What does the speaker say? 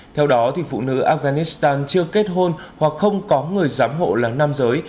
theo đó phụ nữ afghanistan chưa kết hôn hoặc không có người giám hộ là nam giới